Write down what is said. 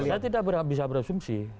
saya tidak bisa berasumsi